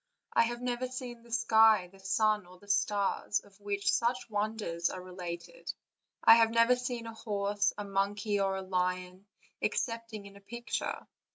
I have never seen the sky, the sun, or the stars, of which such wonders are related; I have never seen a horse, a monkey, or a lion, excepting in a picture.